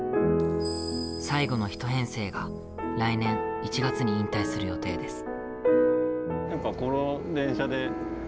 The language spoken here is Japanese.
最後の１編成が来年１月に引退する予定です。